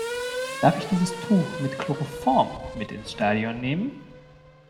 Darf ich dieses Tuch mit Chloroform mit ins Stadion nehmen?